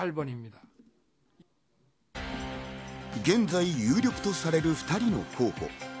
現在、有力とされる２人の候補。